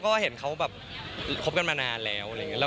ก็เห็นเขาแบบคบกันมานานแล้วอะไรอย่างนี้